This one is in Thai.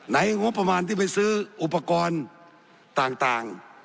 งบประมาณที่ไปซื้ออุปกรณ์ต่าง